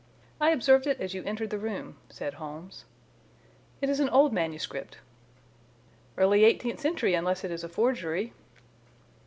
"I observed it as you entered the room," said Holmes. "It is an old manuscript." "Early eighteenth century, unless it is a forgery."